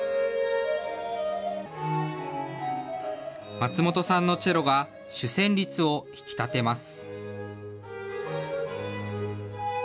松本さんのチェロが、主旋律を引き立てます。